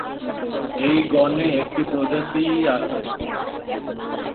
এই গণে একটি প্রজাতিই আছে।